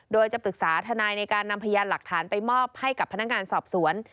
โดยจะปรึกษาทนายในการนำพยานหลักฐานไปมอบให้กับพนักงานสอบสวน